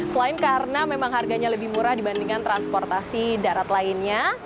selain karena memang harganya lebih murah dibandingkan transportasi darat lainnya